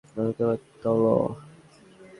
এটা তোমার, তুলো।